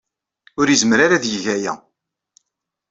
Ur izemmer ara ad yeg aya.